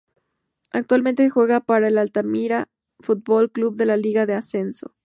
Actualmente juega para el Altamira Fútbol Club de la Liga de Ascenso.